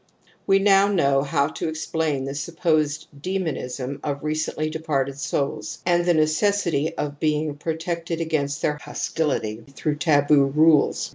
We now know how to explain the supposed demonism of recently departed souls and the necessity of being protected against their hostil ity through taboo rules.